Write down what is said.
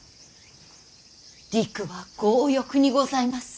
りくは強欲にございます。